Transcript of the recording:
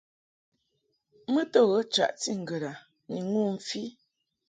Mɨ to ghə chaʼti ŋgəd a ni ŋu mfi.